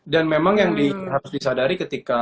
dan memang yang harus disadari ketika